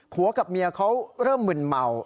กับเมียเขาเริ่มมึนเมา